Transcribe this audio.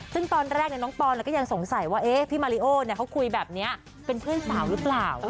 ซึ่งตอนแรกน้องปอนก็ยังสงสัยว่าพี่มาริโอเขาคุยแบบนี้เป็นเพื่อนสาวหรือเปล่า